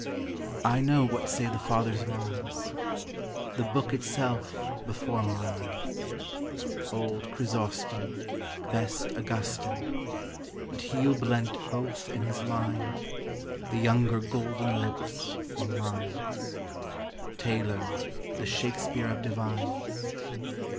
I know what say the fathers wise, — The Rook itself before me lies, — Old Chrysostom, best Augustine, And he who blent both in his line, The younger Golden Lips or mines, Taylor, the Shakespeare of divines.